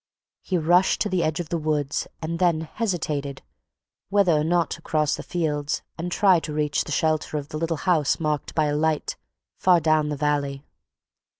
He rushed to the edge of the woods and then hesitated whether or not to cross the fields and try to reach the shelter of the little house marked by a light far down the valley.